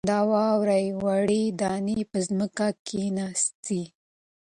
د واورې وړې دانې په ځمکه کښېناستې.